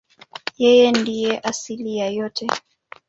Yeye ndiye asili ya yote.